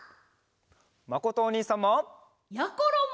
まことおにいさんも！やころも！